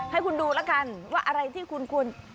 ให้คุณดูแล้วกันว่าอะไรที่คุณควร